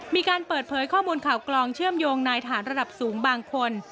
มีการเปิดเผยข้อมูลข่าวกลองเชื่อมโยงนายฐานระดับสูงบางคน